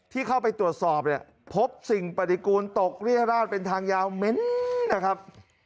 ที่เข้าไปตรวจสอบเนี่ยพบสิ่งปฏิกูลตกเรียราชเป็นทางยาวเม้นนะครับ